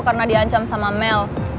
pernah diancam sama mel